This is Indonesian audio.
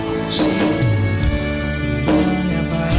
aduh apaan itu sih